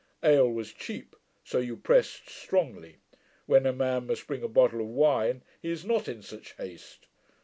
Ale was cheap, so you pressed strongly. When a man must bring a bottle of wine, he is not in such haste.